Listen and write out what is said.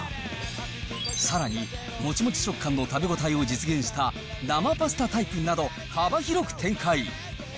さらにもちもち食感の食べ応えを実現した生パスタタイプなど幅広く展開。